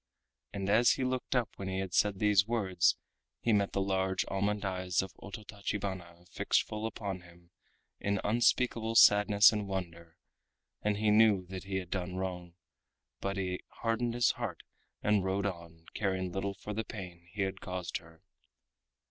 And as he looked up when he had said these words he met the large almond eyes of Ototachibana fixed full upon him in unspeakable sadness and wonder, and he knew that he had done wrong, but he hardened his heart and rode on, caring little for the pain he had caused her.